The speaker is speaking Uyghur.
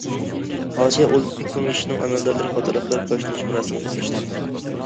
ئاسىيا ئولىمپىك كېڭىشىنىڭ ئەمەلدارلىرى قاتارلىقلار باشلىنىش مۇراسىمىغا قاتناشتى.